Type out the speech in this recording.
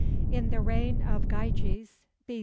In the reign of Gyges, B.